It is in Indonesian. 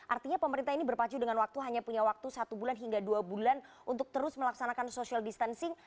artinya pemerintah ini berpacu dengan waktu hanya punya waktu satu bulan hingga dua bulan untuk terus melaksanakan social distancing